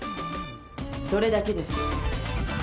それだけです。